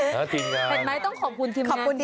เห็นไหมต้องขอบคุณทีมงานที่ดี